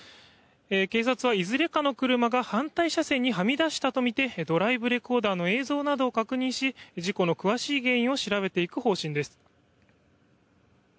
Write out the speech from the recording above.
警察はいずれかの車が反対車線にはみ出したとみてドライブレコーダーの映像などを確認し事故の詳しい原因を調べていく方針です。